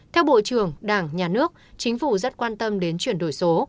theo bộ trưởng đảng nhà nước chính phủ rất quan tâm đến chuyển đổi số